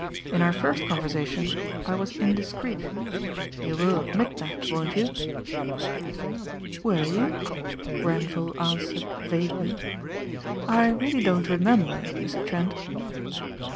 In our first conversation I was indiscreet. You will admit that, won't you?" "Were you?" Grenvil answered vaguely. "I really don't remember Mr. Trent."